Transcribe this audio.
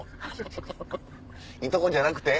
「いとこじゃなくて？」。